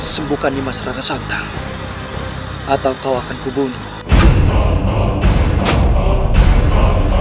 sembukani mas rara santa atau kau akan kubunuh